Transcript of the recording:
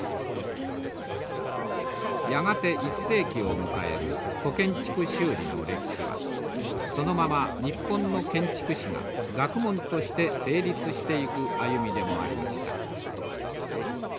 やがて１世紀を迎える古建築修理の歴史はそのまま日本の建築史が学問として成立していく歩みでもありました。